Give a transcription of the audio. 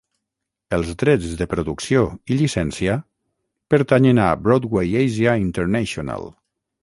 Els drets de producció i llicència pertanyen a Broadway Asia International.